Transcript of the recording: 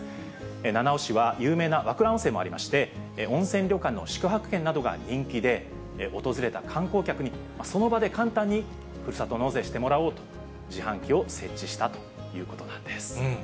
七尾市は有名な和倉温泉もありまして、温泉旅館の宿泊券などが人気で、訪れた観光客にその場で簡単にふるさと納税してもらおうと、自販機を設置したということなんです。